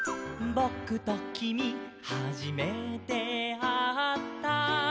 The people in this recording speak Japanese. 「ぼくときみはじめてあった」